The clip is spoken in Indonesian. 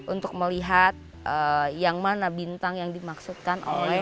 untuk melihat yang mana bintang yang dimaksudkan oleh